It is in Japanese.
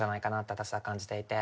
私は感じていて。